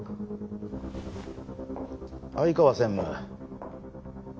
相川専務。